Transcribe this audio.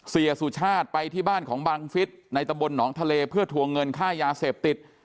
เสียสุชาติไปที่บ้านของบังฟิศในตะบลหนองทะเลเพื่อทวงเงินค่ายาเสพติด